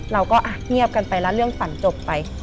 เราก็เงียบกันไปแล้วเรื่องฝันจบไป